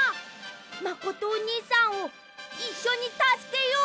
まことおにいさんをいっしょにたすけよう！